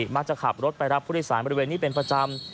มักจะขับรถไปรับผู้โดยสารบริเวณนี้เป็นประจำ